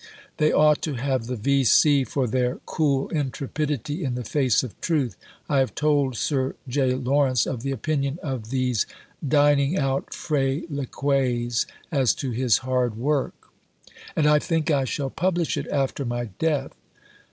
They ought to have the V.C. for their cool intrepidity in the face of truth. I have told Sir J. Lawrence of the opinion of these dining out freliquets as to his hard work. And I think I shall publish it after my death."